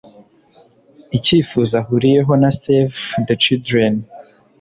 ikifuzo ahuriyeho na Save the Children